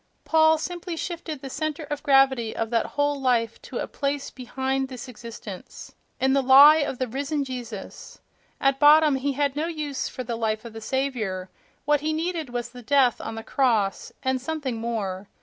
Paul simply shifted the centre of gravity of that whole life to a place behind this existence—in the lie of the "risen" Jesus. At bottom, he had no use for the life of the Saviour—what he needed was the death on the cross, and something more.